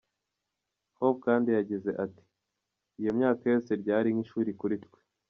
Hope kandi yagize ati: “iyo myaka yose ryari nk’ishuri kuri twe.